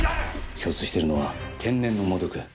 共通しているのは天然の猛毒。